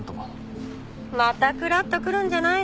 またクラッとくるんじゃないの？